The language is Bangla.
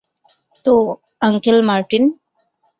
তো, আঙ্কেল মার্টিন।